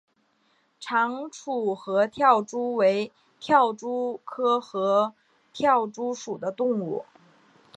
长触合跳蛛为跳蛛科合跳蛛属的动物。